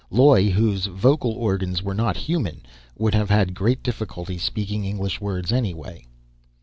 Loy, whose vocal organs were not human, would have had great difficulty speaking English words, anyway.